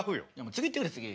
次いってくれ次。